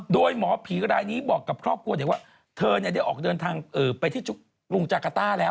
โดยหมอผีรายนี้บอกกับครอบครัวเด็กว่าเธอได้ออกเดินทางไปที่ลุงจากาต้าแล้ว